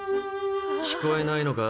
聞こえないのか？